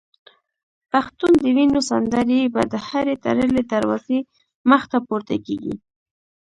پښتون د وینو سندري به د هري تړلي دروازې مخته پورته کیږي